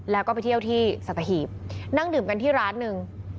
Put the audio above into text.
แล้วก็ไปเที่ยวที่สัตหีบนั่งดื่มกันที่ร้านหนึ่ง